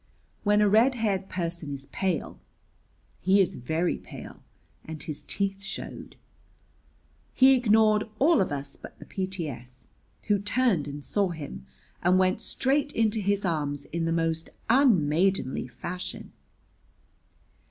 When a red haired person is pale, he is very pale. And his teeth showed. He ignored all of us but the P.T.S., who turned and saw him, and went straight into his arms in the most unmaidenly fashion.